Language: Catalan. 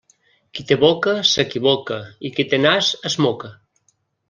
Qui té boca s'equivoca i qui té nas es moca.